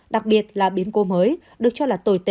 đặc biệt là biến cố mới được cho là tồi tệ